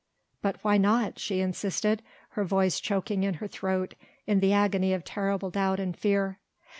"But why not?" she insisted, her voice choking in her throat in the agony of terrible doubt and fear.